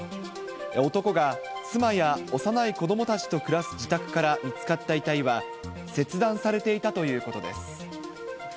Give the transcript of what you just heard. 男が妻や幼い子どもたちと暮らす自宅から見つかった遺体は切断さきのう